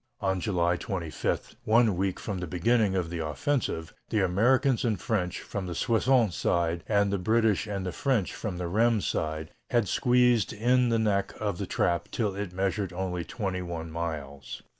On July 25, one week from the beginning of the offensive, the Americans and French from the Soissons side and the British and French from the Rheims side had squeezed in the neck of the trap till it measured only twenty one miles.